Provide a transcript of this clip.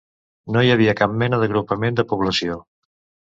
No hi havia cap mena d'agrupament de població.